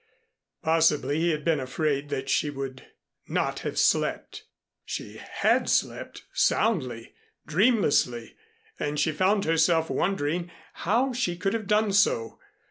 Possibly he had been afraid that she would not have slept. She had slept, soundly, dreamlessly, and she found herself wondering how she could have done so.